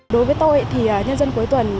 đối với tôi thì nhân dân cuối tuần